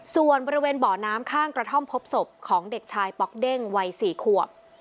ส่วนบริเวณบ่อน้ำข้างกระท่อมพบศพของเด็กชายป๊อกเด้งวัย๔ขวบ